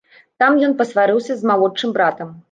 Там ён пасварыўся з малодшым братам.